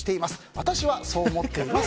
私はそう思ってます。